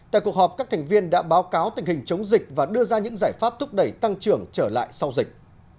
tại cuộc họp các thành viên đã báo cáo tình hình chống dịch và đưa ra những giải pháp thúc đẩy tăng trưởng trở lại sau dịch